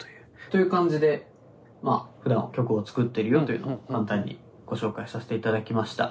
という感じでふだん曲を作っているよというのを簡単にご紹介させていただきました。